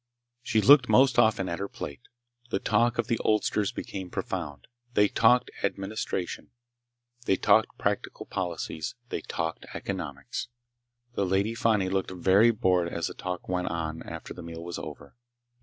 She looked most often at her plate. The talk of the oldsters became profound. They talked administration. They talked practical politics. They talked economics. The Lady Fani looked very bored as the talk went on after the meal was over.